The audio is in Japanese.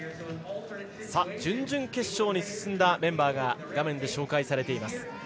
準々決勝に進んだメンバーが画面で紹介されています。